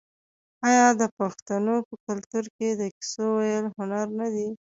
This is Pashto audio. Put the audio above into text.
آیا د پښتنو په کلتور کې د کیسو ویل هنر نه دی؟